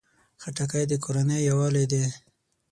خټکی د کورنۍ یووالي ده.